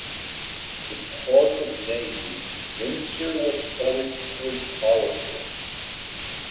The post of Navy Minister was politically powerful.